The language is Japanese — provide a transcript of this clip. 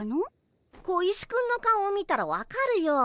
小石くんの顔を見たら分かるよ。